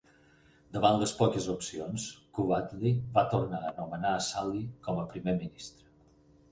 Davant les poques opcions, Quwatli va tornar a nomenar Asali com a primer ministre.